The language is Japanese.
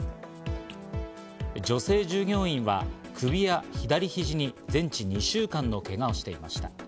女性従業員は首や左ひじに全治２週間のけがをしていました。